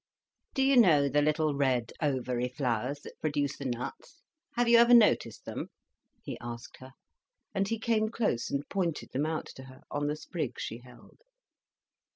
"Do you know the little red ovary flowers, that produce the nuts? Have you ever noticed them?" he asked her. And he came close and pointed them out to her, on the sprig she held.